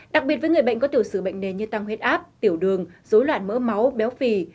đặc biệt với người bệnh có tiểu sử bệnh nền như tăng huyết áp tiểu đường dối loạn mỡ máu béo phì